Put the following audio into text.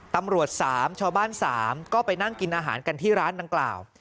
ตำรวจ๓ชาวบ้าน๓ก็ไปนั่งกินอาหารกันที่ร้านดังกล่าว